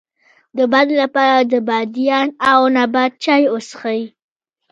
د باد لپاره د بادیان او نبات چای وڅښئ